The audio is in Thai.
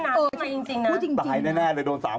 พูดจริงนะไม่พูดจริงบ้าให้แน่เลยโดน๓คน